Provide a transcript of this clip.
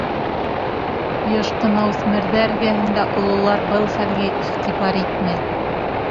Йыш ҡына үҫмерҙәр эргәһендә ололар был хәлгә иғтибар итмәй.